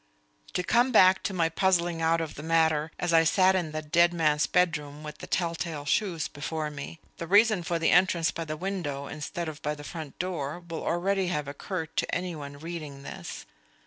To come back to my puzzling out of the matter as I sat in the dead man's bedroom with the tell tale shoes before me: the reason for the entrance by the window instead of by the front door will already have occurred to any one reading this.